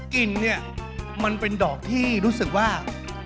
กลิ่นเนี่ยมันเป็นดอกที่รู้สึกว่า